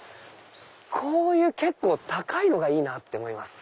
こういう結構高いのがいいなって思います。